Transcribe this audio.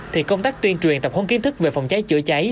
thì công tác tuyên truyền tập huấn kiến thức về phòng cháy chữa cháy